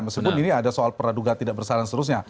meskipun ini ada soal peraduga tidak bersalah dan seterusnya